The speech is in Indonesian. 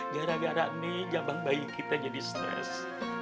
gara gara ini jabang bayi kita jadi stres